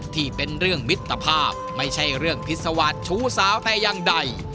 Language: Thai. ที่เป็นเรื่องมิตรภาพไม่ใช่เรื่องพิษวาสชู้สาวแต่อย่างใด